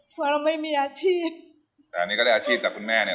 เพราะเราไม่มีอาชีพแต่อันนี้ก็ได้อาชีพจากคุณแม่เนี่ย